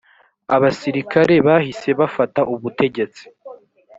abasirikare bahise bafata ubutegetsi